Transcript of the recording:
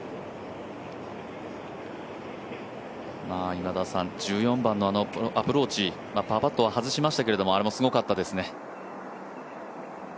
今田さん、１４番のあのアプローチパーパットは外しましたけどあれもすごかったですね。